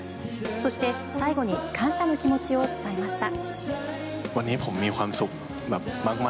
そして、最後に感謝の気持ちを伝えました。